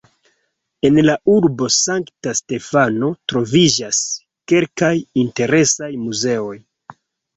En la urbo Sankta Stefano troviĝas kelkaj interesaj muzeoj.